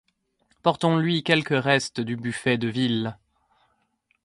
Portons-lui quelque reste du buffet de ville!